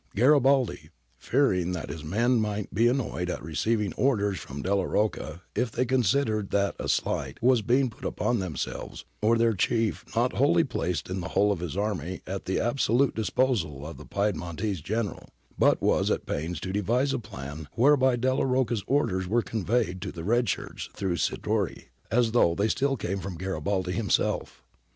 Garibaldi, fearing that his men might be annoyed at receiving orders from Delia Rocca if they considered that a slight was being put upon themselves or their chief, not only placed the whole of his army at the absolute disposal of the Pied montese general, but was at pains to devise a plan whereby Delia Rocca's orders were conveyed to the red shirts through Sirtori, as though they still came from Garibaldi himself.